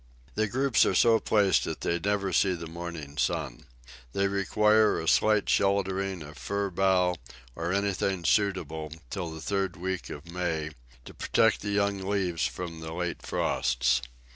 The groups are so placed that they never see the morning sun. They require a slight sheltering of fir bough, or anything suitable, till the third week of May, to protect the young leaves from the late frosts.